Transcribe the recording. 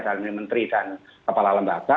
dalam menteri dan kepala lembaga